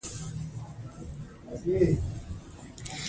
د افغانستان د سېمنټو صنعت په راتلونکي کې د هېواد اړتیاوې پوره کولای شي.